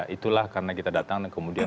itulah karena kita datang dan kemudian